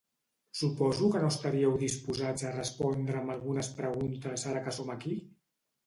Suposo que no estaríeu disposats a respondre'm algunes preguntes ara que som aquí?